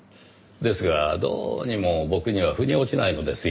ですがどうにも僕には腑に落ちないのですよ。